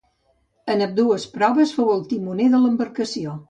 En ambdues proves fou el timoner de l'embarcació.